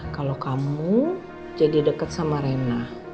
kalo kamu jadi deket sama rena